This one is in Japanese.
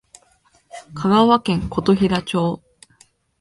香川県琴平町